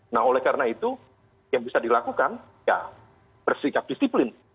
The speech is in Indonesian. nah oleh karena itu yang bisa dilakukan ya bersikap disiplin